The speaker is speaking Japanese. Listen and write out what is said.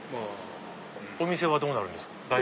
お店はどうなるんですか？